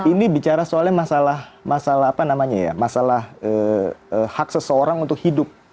ini bicara soalnya masalah hak seseorang untuk hidup